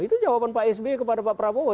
itu jawaban pak sby kepada pak prabowo